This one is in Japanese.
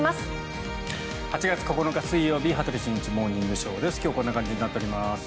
８月９日、水曜日「羽鳥慎一モーニングショー」。今日はこんな感じになっております。